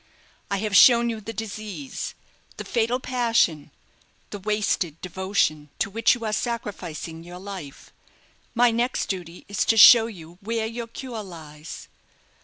I have shown you the disease, the fatal passion, the wasted devotion, to which you are sacrificing your life; my next duty is to show you where your cure lies."